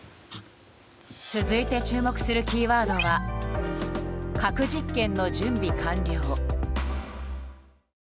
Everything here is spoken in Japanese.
続いて注目するキーワードは核実験の準備完了。